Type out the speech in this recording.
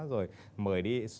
rồi mời đi